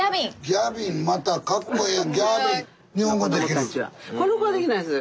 ギャビンまたかっこええ。